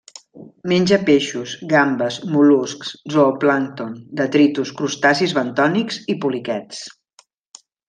Menja peixos, gambes, mol·luscs, zooplàncton, detritus, crustacis bentònics i poliquets.